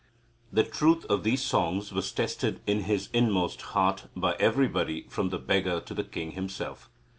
The truth of these songs was tested in his inmost heart by everybody from the beggar to the king himself.